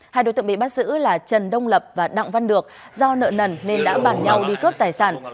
hai đối tượng bị bắt giữ là trần đông lập và đặng văn được do nợ nần nên đã bàn nhau đi cướp tài sản